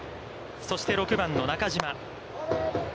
そして６番の中島。